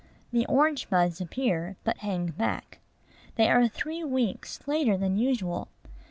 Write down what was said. The orange buds appear, but hang back. They are three weeks later than usual.